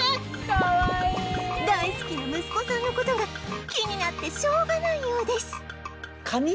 大好きな息子さんの事が気になってしょうがないようです